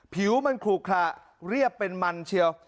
ผิวมันขลุขระเรียบเป็นมันเชียว